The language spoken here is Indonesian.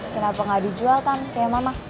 kenapa gak dijual tan kayak mama